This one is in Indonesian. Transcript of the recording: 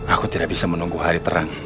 aku tidak bisa menunggu hari terang